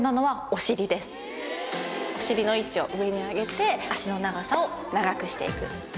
お尻の位置を上に上げて脚の長さを長くしていく。